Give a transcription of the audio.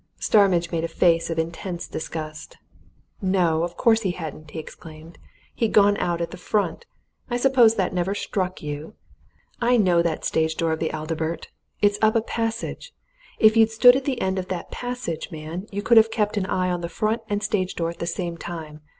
Starmidge made a face of intense disgust. "No, of course he hadn't!" he exclaimed. "He'd gone out at the front. I suppose that never struck you? I know that stage door of the Adalbert it's up a passage. If you'd stood at the end of that passage, man, you could have kept an eye on the front and stage door at the same time.